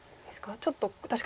ちょっと確かに。